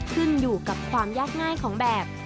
ขึ้นอยู่กับความยากง่ายของแบบ